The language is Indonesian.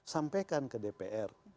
sampaikan ke dpr